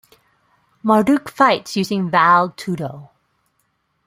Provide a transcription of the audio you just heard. Marduk fights using Vale Tudo.